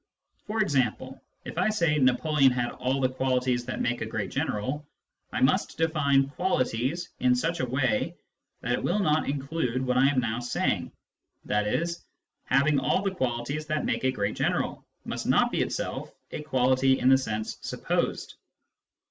For example, if I say "Napoleon had all the qualities that make a great general," I must define " qualities " in such a way that it will not include what I am now saying, i.e. " having all the qualities that make a great general " must not be itself a quality in the sense supposed.